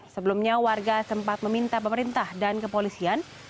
sebelumnya warga sempat meminta pemerintah dan kepolisian